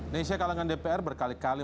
indonesia kalangan dpr berkali kali